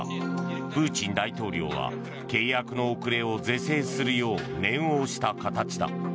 プーチン大統領は契約の遅れを是正するよう念を押した形だ。